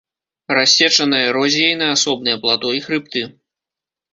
Рассечана эрозіяй на асобныя плато і хрыбты.